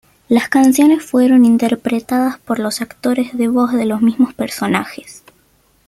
Las canciones fueron interpretadas por los actores de voz de los mismos personajes.